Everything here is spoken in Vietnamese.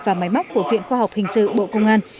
và máy móc của viện khoa học hình sự bộ công an